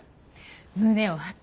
胸を張って。